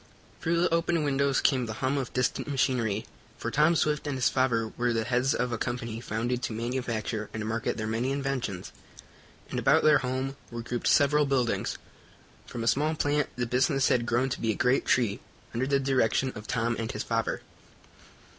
Through the open windows came the hum of distant machinery, for Tom Swift and his father were the heads of a company founded to manufacture and market their many inventions, and about their home were grouped several buildings. From a small plant the business had grown to be a great tree, under the direction of Tom and his father.